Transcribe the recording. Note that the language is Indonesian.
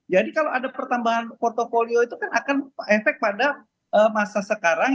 jadi kalau ada pertambahan portofolio itu kan akan efek pada masa sekarang